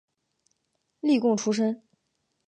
例贡出身。